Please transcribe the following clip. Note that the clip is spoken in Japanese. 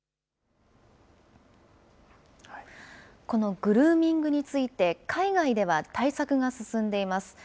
このグルーミングについて、海外では対策が進んでいます。